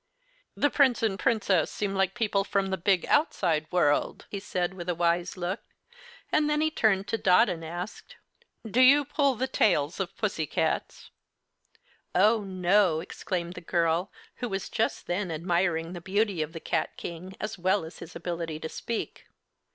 "The Prince and Princess seem like people from the big, outside world," he said, with a wise look; and then he turned to Dot and asked: "Do you pull the tails of pussycats?" "Oh, no!" exclaimed the girl, who was just then admiring the beauty of the cat King as well as his ability to speak.